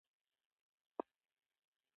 دا ضمانت د هغه ساتلو دی.